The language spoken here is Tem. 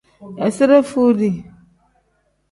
Izire futi.